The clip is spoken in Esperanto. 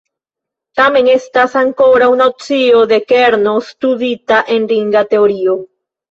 Tamen, estas ankoraŭ nocio de kerno studita en ringa teorio.